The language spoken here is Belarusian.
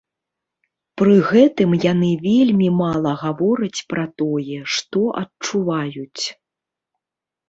Пры гэтым яны вельмі мала гавораць пра тое, што адчуваюць.